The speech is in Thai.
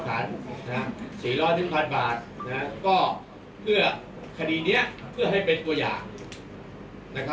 แสลรถของที่ขับศาลนะครับ๔๐๐บาทก็คดีนี้เพื่อให้เป็นตัวอย่าง